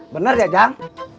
bener ya jang